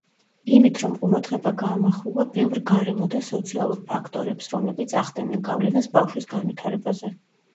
იმით, რომ ყურადღება გაამახვილა ბევრ გარემო და სოციალურ ფაქტორებს, რომლებიც ახდენენ გავლენას ბავშვის განვითარებაზე.